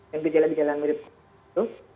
yang berjalan berjalan mirip covid itu